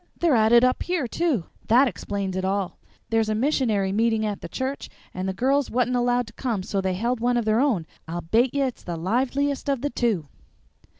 "They're at it up here, too! That explains it all. There's a missionary meeting at the church, and the girls wa'n't allowed to come so they held one of their own, and I bate ye it's the liveliest of the two."